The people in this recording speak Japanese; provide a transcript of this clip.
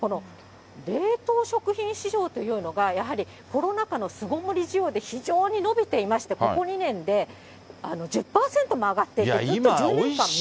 冷凍食品市場というのが、やはりコロナ禍の巣ごもり需要で非常に伸びていまして、ここ２年で１０％も上がっていると。